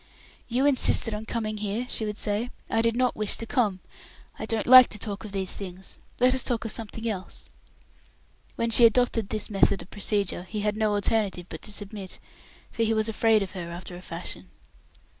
"You insisted on coming here," she would say. "I did not wish to come. I don't like to talk of these things. Let us talk of something else." When she adopted this method of procedure, he had no alternative but to submit, for he was afraid of her, after a fashion.